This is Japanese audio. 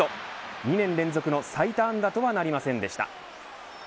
２年連続の最多安打とはなりませんでした。